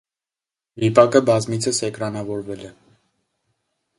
Վիպակը բազմիցս էկրանավորվել է։